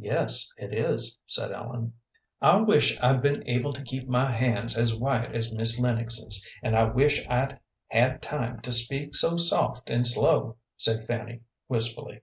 "Yes, it is," said Ellen. "I wish I'd been able to keep my hands as white as Miss Lennox's, an' I wish I'd had time to speak so soft and slow," said Fanny, wistfully.